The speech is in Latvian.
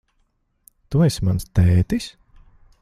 Tu esi mans tētis?